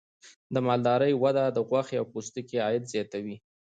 د مالدارۍ وده د غوښې او پوستکي عاید زیاتوي.